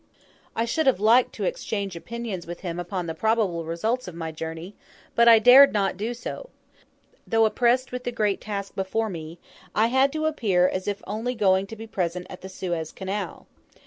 I should have liked to exchange opinions with him upon the probable results of my journey, but I dared not do so. Though oppressed with the great task before me, I had to appear as if only going to be present at the Suez Canal.